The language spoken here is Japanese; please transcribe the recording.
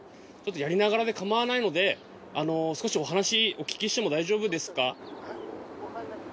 やりながらで構わないので少しお話お聞きしても大丈夫ですか？